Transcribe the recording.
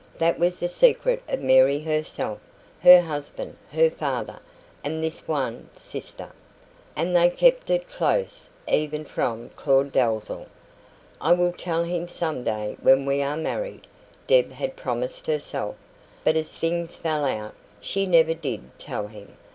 That was the secret of Mary herself, her husband, her father, and this one sister; and they kept it close, even from Claud Dalzell. "I will tell him some day when we are married," Deb had promised herself; but as things fell out, she never did tell him.